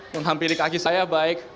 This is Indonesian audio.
menghampiri kaki saya baik